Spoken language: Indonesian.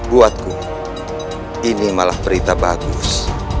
buatku ini malah berita bagus